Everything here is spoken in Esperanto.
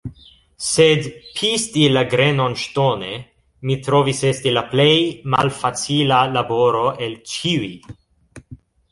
Sed, pisti la grenon ŝtone, mi trovis esti la plej malfacila laboro el ĉiuj.